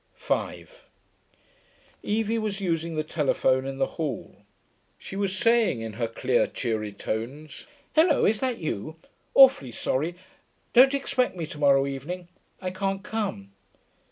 5 Evie was using the telephone in the hall. She was saying, in her clear, cheery tones, 'Hullo, is that you? Awfully sorry, don't expect me to morrow evening. I can't come....